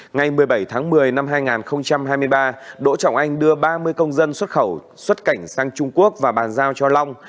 ngày một mươi bảy tháng một mươi năm hai nghìn hai mươi ba đỗ trọng anh đưa ba mươi công dân xuất khẩu xuất cảnh sang trung quốc và bàn giao cho long